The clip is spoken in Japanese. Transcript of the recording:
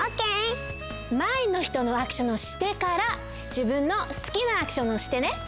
まえの人のアクションをしてからじぶんのすきなアクションをしてね。